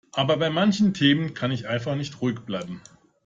Aber bei manchen Themen kann ich einfach nicht ruhig bleiben.